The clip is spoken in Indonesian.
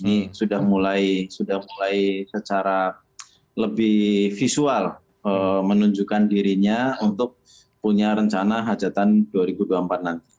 ini sudah mulai secara lebih visual menunjukkan dirinya untuk punya rencana hajatan dua ribu dua puluh empat nanti